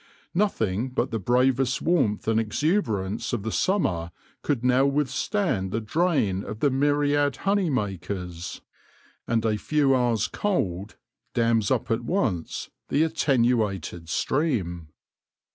Nothing but the bravest warmth and exu berance of the summer could now withstand the drain of the myriad honey makers, and a few hours' f/o THE LORE OF THE HONEY BEE cold dams up at once the attenuated stream.